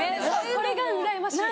これがうらやましいです。